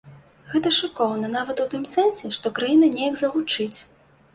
Гэта шыкоўна нават у тым сэнсе, што краіна неяк загучыць.